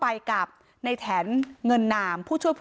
ตำรวจบอกว่าภายในสัปดาห์เนี้ยจะรู้ผลของเครื่องจับเท็จนะคะ